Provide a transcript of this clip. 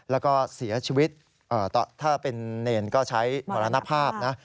แล้วก็เสียชีวิตถ้าเป็นเนรก็ใช้มรณภาพนะ